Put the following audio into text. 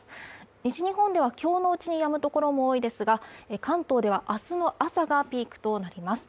西日本では今日のうちにやむところも多いですが関東では明日の朝がピークとなります。